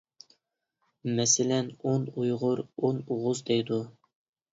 مەسىلەن، «ئون ئۇيغۇر — ئون ئوغۇز» دەيدۇ.